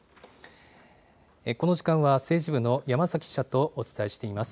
この時間は政治部の山崎記者とお伝えしています。